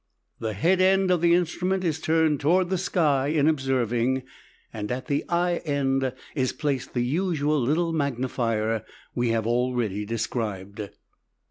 The "head" end of the instrument is turned toward the sky in observing, and at the eye end is placed the usual little magnifier we have already described.